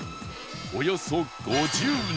およそ５０人